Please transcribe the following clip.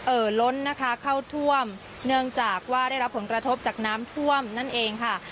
ล้นนะคะเข้าท่วมเนื่องจากว่าได้รับผลกระทบจากน้ำท่วมนั่นเองค่ะ